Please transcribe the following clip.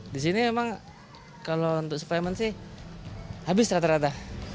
di sini memang kalau untuk suplemen sih habis rata rata